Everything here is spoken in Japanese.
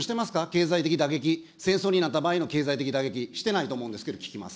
経済的打撃、戦争になった場合の経済的打撃、してないと思うんですけど、聞きます。